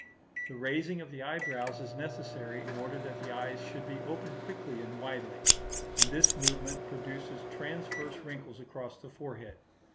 The raising of the eyebrows is necessary in order that the eyes should be opened quickly and widely; and this movement produces transverse wrinkles across the forehead.